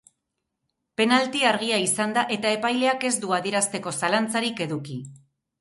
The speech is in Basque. Penalti argia izan da eta epaileak ez du adierazteko zalantzarik eduki.